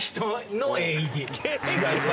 違います。